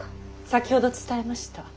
先ほど伝えました。